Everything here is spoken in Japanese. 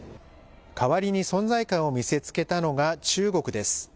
代わりに存在感を見せつけたのが中国です。